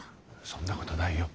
そんなことないよ。